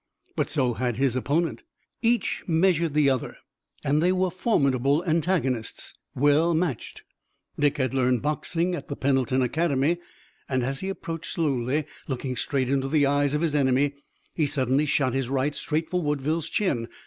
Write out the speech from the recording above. But so had his opponent. Each measured the other, and they were formidable antagonists, well matched. Dick had learned boxing at the Pendleton Academy, and, as he approached slowly, looking straight into the eyes of his enemy, he suddenly shot his right straight for Woodville's chin.